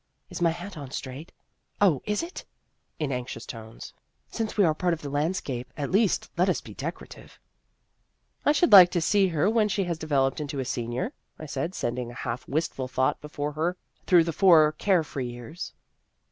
" Is my hat on straight ? Oh ! is it ?" in anxious tones ; A Superior Young Woman 185 " since we are part of the landscape, at least let us be decorative." " I should like to see her when she has developed into a senior," I said, sending a half, wistful thought before her through the four care free years.